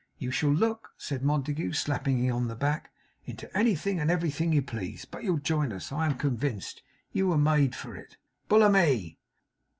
'You shall look,' said Montague, slapping him on the back, 'into anything and everything you please. But you'll join us, I am convinced. You were made for it. Bullamy!